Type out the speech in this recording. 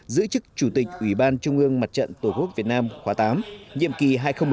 giữ chức chủ tịch ủy ban trung ương mặt trận tổ quốc việt nam khóa tám nhiệm kỳ hai nghìn một mươi bốn hai nghìn một mươi chín